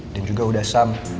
dan juga uda sam